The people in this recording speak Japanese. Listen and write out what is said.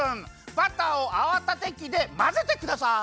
バターをあわたてきでまぜてください。